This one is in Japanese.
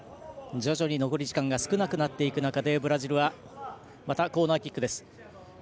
徐々に残り時間が少なくなる中でブラジルはまたコーナーキック。